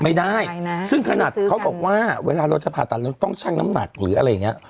ไม่ได้นะซึ่งขนาดเขาบอกว่าเวลาเราจะผ่าตัดเราต้องชั่งน้ำหนักหรืออะไรอย่างเงี้ย